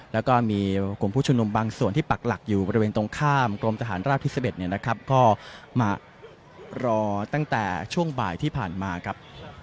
แล้วก็มีกลุ่มผู้ชุมนุมบางส่วนที่ปักหลักอยู่บริเวณตรงข้ามกรมทหารราบที่๑๑เนี่ยนะครับก็มารอตั้งแต่ช่วงบ่ายที่ผ่านมาครับ